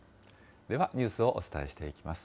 ではニュースをお伝えしていきます。